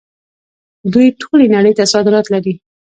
دوی ټولې نړۍ ته صادرات لري.